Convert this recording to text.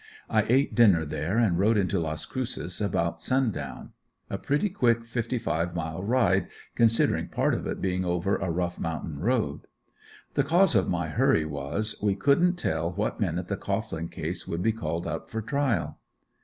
I ate dinner there and rode into Las Cruces about sundown. A pretty quick fifty five mile ride, considering part of it being over a rough mountain road. The cause of my hurry was, we couldn't tell what minute the Cohglin case would be called up for trial.